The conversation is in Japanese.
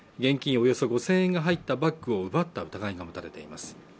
およそ５０００円が入ったバッグを奪った疑いが持たれています